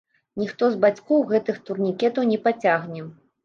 Ніхто з бацькоў гэтых турнікетаў не пацягне.